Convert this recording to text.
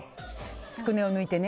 つくねを抜いてね。